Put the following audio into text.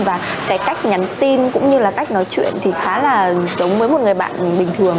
và cái cách nhắn tin cũng như là cách nói chuyện thì khá là giống với một người bạn bình thường